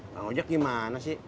bang ojak gimana sih inget